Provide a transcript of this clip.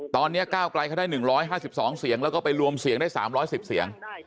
ตอนนี้ก้าวไกลเขาได้๑๕๒เสียงแล้วก็ไปรวมเสียงได้๓๑๐เสียง